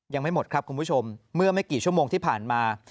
ยังไม่หมดครับคุณผู้ชมเมื่อไม่กี่ชั่วโมงที่ผ่านมา